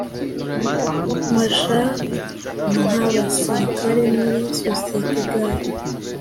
Marshalled nkabasirikare muri societe gay